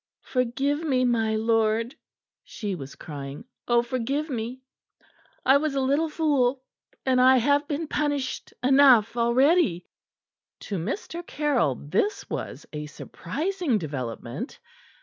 "Forgive me, my lord!" she was crying. "Oh, forgive me! I was a little fool, and I have been punished enough already!" To Mr. Caryll this was a surprising development.